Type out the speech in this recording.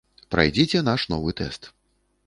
Прайдзіце наш новы тэст.